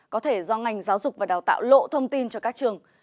có thể do ngành giáo dục và đào tạo lộ thông tin cho các trường